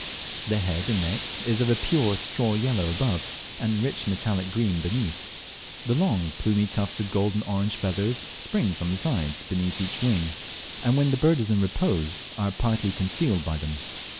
The head and neck is of a pure straw yellow above and rich metallic green beneath. The long plumy tufts of golden orange feathers spring from the sides beneath each wing, and when the bird is in repose are partly concealed by them.